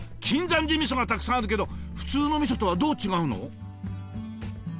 金山寺みそがたくさんあるけど普通のみそとはどう違うの？